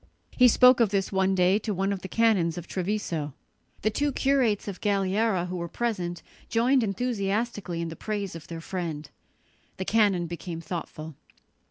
He spoke of this one day to one of the canons of Treviso. The two curates of Galliera who were present joined enthusiastically in the praise of their friend. The canon became thoughtful.